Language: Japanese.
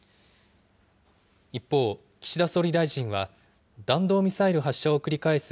一方、岸田総理大臣は、弾道ミサイル発射を繰り返す